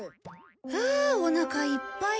ああおなかいっぱい。